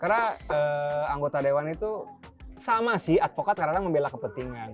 karena anggota dewan itu sama sih advokat kadang kadang membela kepentingan